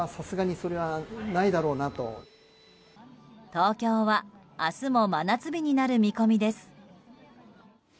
東京は明日も真夏日になる見込みです。